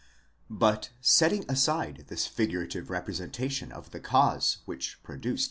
But setting aside this figurative representation of the cause which produced » Liicke, 2, 5.